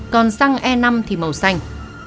còn xăng e năm thì màu xanh